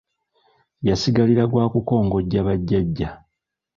Yasigalira gw’akukongojja bajjaja.